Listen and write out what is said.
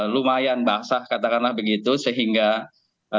lumayan basah katakanlah begitu sehingga tentu dirasa tidak fair